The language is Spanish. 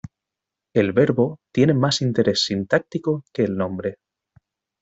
El verbo tiene más interés sintáctico que el nombre.